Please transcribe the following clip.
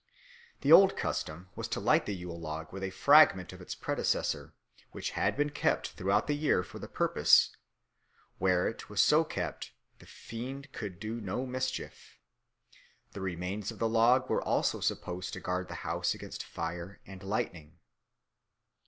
The old custom was to light the Yule log with a fragment of its predecessor, which had been kept throughout the year for the purpose; where it was so kept, the fiend could do no mischief. The remains of the log were also supposed to guard the house against fire and lightning.